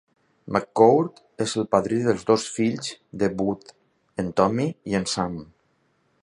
McCourt és el padrí dels dos fills de Wood, en Tommy i en Sam.